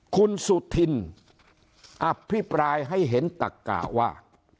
คุณสุธินอภิปรายให้เห็นตักกะว่า